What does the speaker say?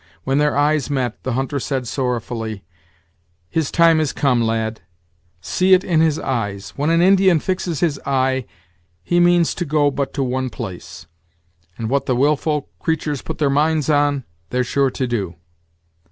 When their eyes met, the hunter said sorrowfully: "His time has come, lad; see it in his eyes when an Indian fixes his eye, he means to go but to one place; and what the wilful creatures put their minds on, they're sure to do."